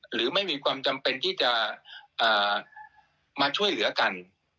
หรือไม่มีความจำเป็นที่จะมาช่วยเหลือกัน